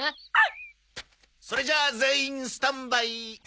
それじゃあ全員スタンバイ。